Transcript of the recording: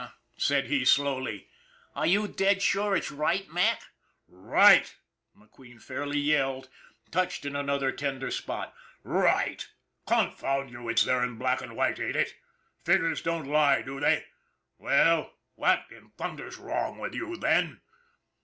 " H'm," said he slowly, " are you dead sure it's right, Mac ?"" Right !" McQueen fairly yelled, touched in an other tender spot. " Right ! Confound you, it's there in black and white, ain't it? Figures don't lie, do they? Well, what in thunder's wrong with you, then?"